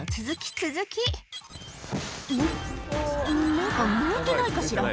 何か燃えてないかしら？」